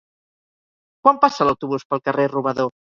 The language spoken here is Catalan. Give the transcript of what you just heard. Quan passa l'autobús pel carrer Robador?